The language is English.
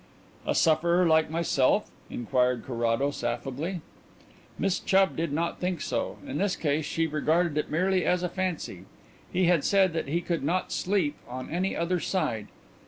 "A sufferer like myself?" inquired Carrados affably. Miss Chubb did not think so. In his case she regarded it merely as a fancy. He had said that he could not sleep on any other side.